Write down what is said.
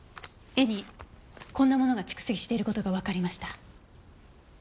絵にこんなものが蓄積している事がわかりました。